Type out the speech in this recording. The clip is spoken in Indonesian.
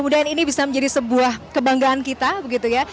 dan ini bisa menjadi sebuah kebanggaan kita begitu ya